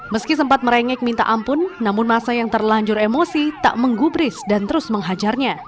meski sempat merengek minta ampun namun masa yang terlanjur emosi tak menggubris dan terus menghajarnya